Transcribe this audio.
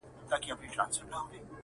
طالبان ترهګر بلل